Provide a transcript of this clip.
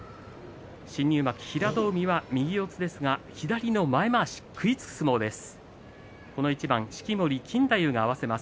平戸海は右四つですが左前まわし、食いつく相撲です。